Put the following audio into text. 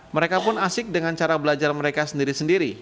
mereka pun asik dengan cara belajar mereka sendiri sendiri